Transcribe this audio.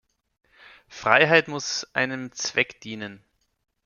Freiheit muss einem Zweck dienen.